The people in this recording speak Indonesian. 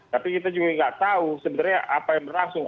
tapi kita juga nggak tahu sebenarnya apa yang berlangsung